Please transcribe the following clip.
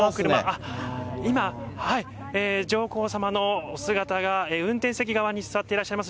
あっ、今、はい、上皇さまのお姿が運転席側に座っていらっしゃいます。